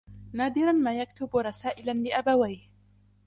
نادرا ما يكتب رسائلا لأبويه.